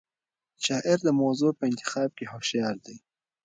شاعر د موضوع په انتخاب کې هوښیار دی.